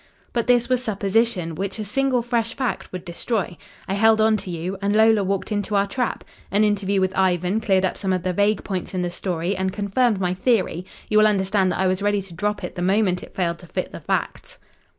"But this was supposition, which a single fresh fact would destroy. I held on to you, and Lola walked into our trap. An interview with Ivan cleared up some of the vague points in the story, and confirmed my theory you will understand that I was ready to drop it the moment it failed to fit the facts.